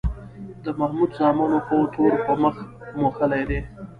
د محمود زامنو خو تور په مخ موښلی دی